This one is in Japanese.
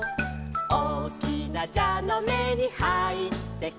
「おおきなじゃのめにはいってく」